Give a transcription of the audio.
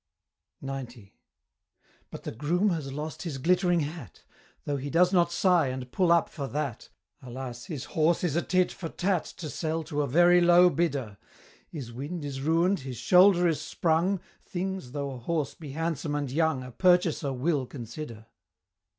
XC. But the Groom has lost his glittering hat! Though he does not sigh and pull up for that Alas! his horse is a tit for Tat To sell to a very low bidder His wind is ruin'd, his shoulder is sprung, Things, though a horse be handsome and young, A purchaser will consider.